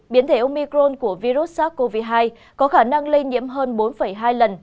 biến thể omicron của virus sars cov hai có khả năng lây nhiễm hơn bốn hai lần